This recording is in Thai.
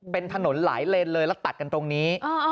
เป็นถนนหลายเลนเลยแล้วตัดกันตรงนี้